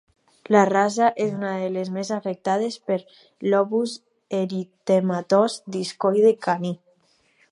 La raça és una de les més afectades pel lupus eritematós discoide caní.